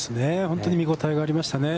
本当に見応えがありましたね。